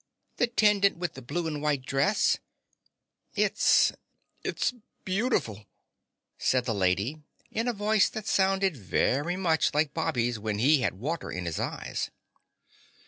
"The 'tendant with the blue and white dress." "It's it's beautiful," said the lady in a voice that sounded very much like Bobby's when he had water in his eyes.